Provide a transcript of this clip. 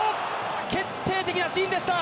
決定的なシーンでした。